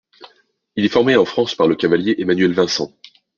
Il est formé en France par le cavalier Emmanuel Vincent.